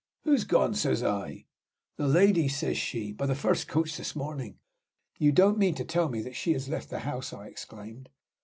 'Who's gone?' says I. 'The lady,' says she, 'by the first coach this morning!'" "You don't mean to tell me that she has left the house?" I exclaimed.